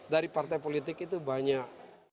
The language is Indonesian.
dari partai politik itu banyak